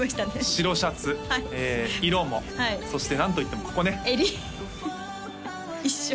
白シャツ色もそして何と言ってもここね襟一緒